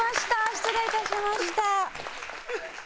失礼いたしました。